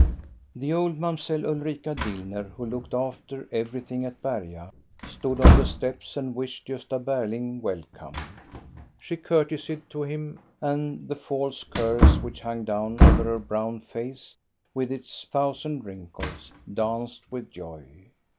The old Mamselle Ulrika Dillner, who looked after everything at Berga, stood on the steps and wished Gosta Berling welcome. She courtesied to him, and the false curls, which hung down over her brown face with its thousand wrinkles, danced with joy.